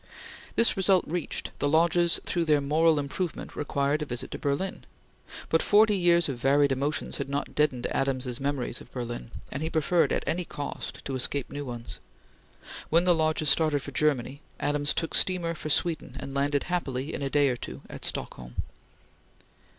This result reached, the Lodges thought their moral improvement required a visit to Berlin; but forty years of varied emotions had not deadened Adams's memories of Berlin, and he preferred, at any cost, to escape new ones. When the Lodges started for Germany, Adams took steamer for Sweden and landed happily, in a day or two, at Stockholm.